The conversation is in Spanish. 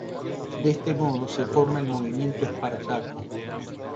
De este modo se forma el Movimiento Espartaco.